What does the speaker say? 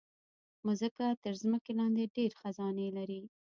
مځکه تر ځمکې لاندې ډېر خزانے لري.